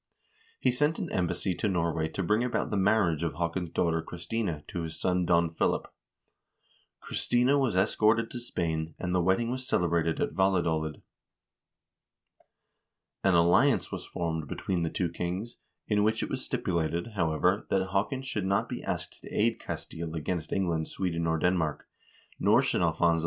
He sent an embassy to Norway to bring about the marriage of Haakon's daughter Christina to his son Don Philip. Christina was escorted to Spain, and the wedding was celebrated at Valadolid. An alliance was formed between the two kings, in which it was stipulated, how ever, that Haakon should not be asked to aid Castile against Eng land, Sweden, or Denmark; nor should Alfonso X.